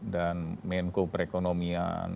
dan menko perekonomian